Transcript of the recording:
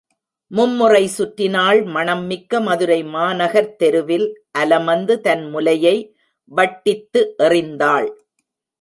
மும் முறை சுற்றினாள் மணம் மிக்க மதுரை மாநகர்த்தெருவில் அலமந்து தன் முலையை வட்டித்து எறிந்தாள்.